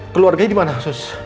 keluarganya di mana sus